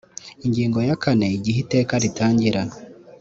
ingingo ya kane igihe iteka ritangira